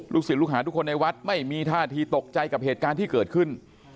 ศิลปลูกหาทุกคนในวัดไม่มีท่าทีตกใจกับเหตุการณ์ที่เกิดขึ้น